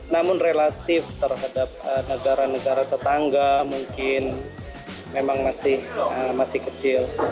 namun relatif terhadap negara negara tetangga mungkin memang masih kecil